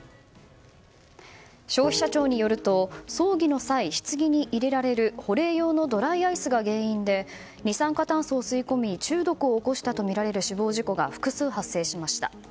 消費者庁によると葬儀の際、棺に入れられる保冷用のドライアイスが原因で二酸化炭素を吸い込み死亡事故は複数発生しました。